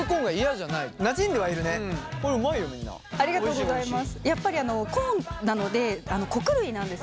ありがとうございます。